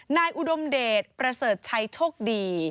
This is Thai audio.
อุดมเดชประเสริฐชัยโชคดี